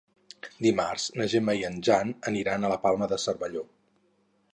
Dimarts na Gemma i en Jan aniran a la Palma de Cervelló.